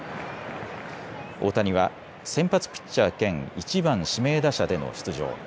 大谷は先発ピッチャー兼１番・指名打者での出場。